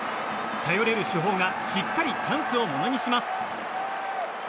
頼れる主砲がしっかりチャンスをものにします。